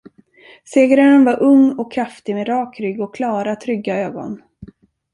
Segraren var ung och kraftig, med rak rygg och klara, trygga ögon.